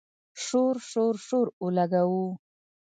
شور، شور، شور اولګوو